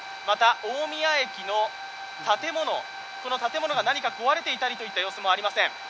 また、大宮駅の建物、この建物が何か壊れていたりといった様子もありません。